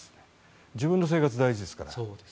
自分の生活が大事ですから。